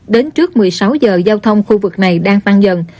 đến trước một mươi sáu giờ giao thông khu vực này đang tăng dần